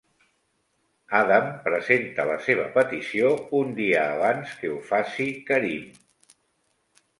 Adam presenta la seva petició un dia abans que ho faci Kareem.